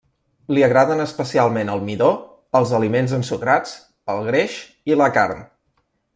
Li agraden especialment el midó, els aliments ensucrats, el greix, i la carn.